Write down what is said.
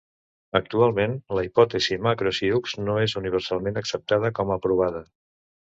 Actualment, la hipòtesi Macro-Sioux no és universalment acceptada com a provada.